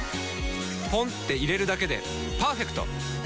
ポンって入れるだけでパーフェクト！